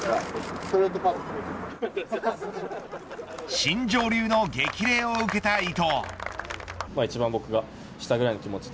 新庄流の激励を受けた伊藤。